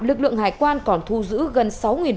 lực lượng hải quan còn thu giữ gần sáu